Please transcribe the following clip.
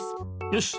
よし。